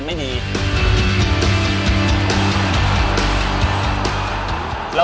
จะทำให้โปรแมนท์ที่การมา